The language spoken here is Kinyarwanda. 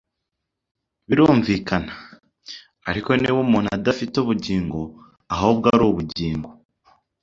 Birumvikana ariko ko niba umuntu adafite ubugingo ahubwo ari ubugingo